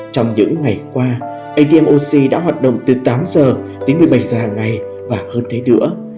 trong những ngày qua admoc đã hoạt động từ tám giờ đến một mươi bảy giờ hàng ngày và hơn thế nữa